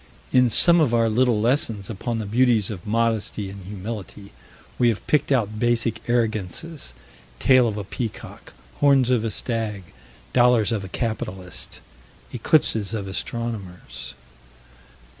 In some of our little lessons upon the beauties of modesty and humility, we have picked out basic arrogances tail of a peacock, horns of a stag, dollars of a capitalist eclipses of astronomers.